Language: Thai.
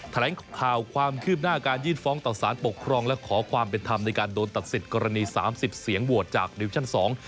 แถลงข่าวความคืบหน้าการยื่นฟ้องต่อสารปกครองและขอความเป็นธรรมในการโดนตัดสิทธิ์กรณีสามสิบเสียงโหวตจากดิวิชั่นสอง